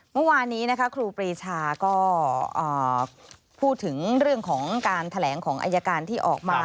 เมื่อวานนี้นะคะครูปรีชาก็พูดถึงเรื่องของการแถลงของอายการที่ออกมา